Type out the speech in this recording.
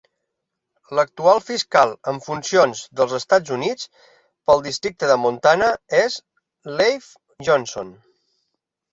L'actual fiscal en funcions dels Estats Units pel districte de Montana és Leif Johnson.